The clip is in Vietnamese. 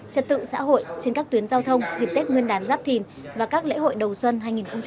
trật tự xã hội trên các tuyến giao thông dịp tết nguyên đán giáp thìn và các lễ hội đầu xuân hai nghìn hai mươi bốn